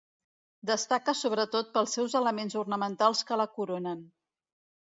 Destaca sobretot pels seus elements ornamentals que la coronen.